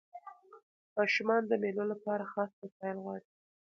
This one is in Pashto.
ماشومان د مېلو له پاره خاص وسایل غواړي.